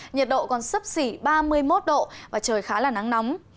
nhiệt độ còn sấp xỉ ba mươi một độ và trời khá là nắng nóng